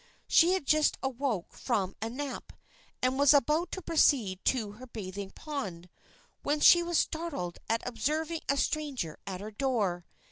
She had just awoke from a nap, and was about to proceed to her bathing pond, when she was startled at observing a stranger at her door.